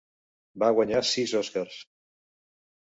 Va guanyar sis Oscars.